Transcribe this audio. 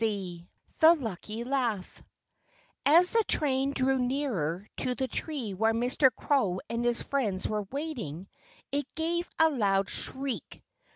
XIV THE LUCKY LAUGH As the train drew nearer to the tree where Mr. Crow and his friends were waiting, it gave a loud shriek.